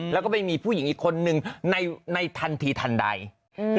แล้วก็ไปมีผู้หญิงอีกคนนึงในในทันทีทันใดอืม